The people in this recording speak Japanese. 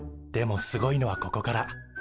でもすごいのはここから。